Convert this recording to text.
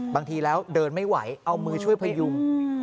บางทีแล้วเดินไม่ไหวเอามือช่วยพยุง